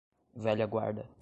velha guarda